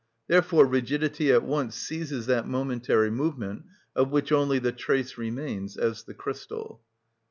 Therefore, rigidity at once seizes that momentary movement, of which only the trace remains as the crystal.